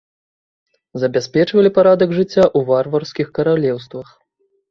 Забяспечвалі парадак жыцця ў варварскіх каралеўствах.